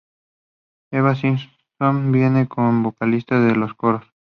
Eva Simons viene como vocalista en los coros.